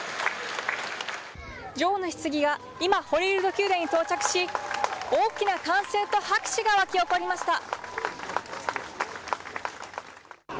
女王のひつぎが今、ホリールード宮殿に到着し、大きな歓声と拍手が沸き起こりました。